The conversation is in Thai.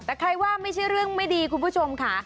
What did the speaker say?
แต่ใครว่าไม่ใช่เรื่องไม่ดีคุณผู้ชมค่ะ